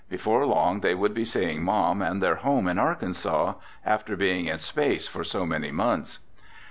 Before long they would be seeing Mom and their home in Arkansas, after being in space for so many months.